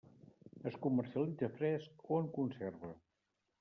Es comercialitza fresc o en conserva.